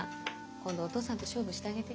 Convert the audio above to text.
今度お父さんと勝負してあげて。